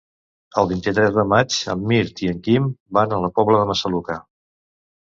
El vint-i-tres de maig en Mirt i en Quim van a la Pobla de Massaluca.